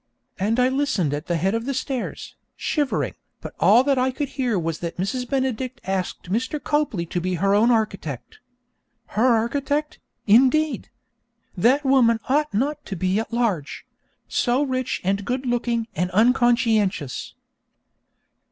And I listened at the head of the stairs, shivering, but all that I could hear was that Mrs. Benedict asked Mr. Copley to be her own architect. Her architect, indeed! That woman ought not to be at large so rich and good looking and unconscientious!